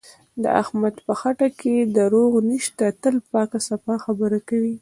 د احمد په خټه کې دروغ نشته، تل پاکه صفا خبره کوي.